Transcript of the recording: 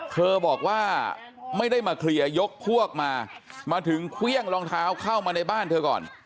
เธอบอกว่าไม่ได้มาเคลียร์ยกพวกมามาถึงเครื่องรองเท้าเข้ามาในบ้านเธอก่อน